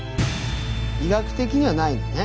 医学的にはないんだね。